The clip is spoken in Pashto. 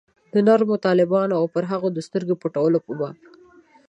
د نرمو طالبانو او پر هغوی د سترګې پټولو په باب.